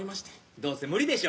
どうせ無理でしょ。